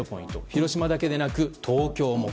広島だけでなく東京も。